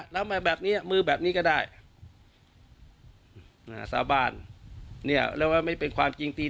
แล้วมาแบบนี้มือแบบนี้ก็ได้สาบานเนี่ยแล้วว่าไม่เป็นความจริงตี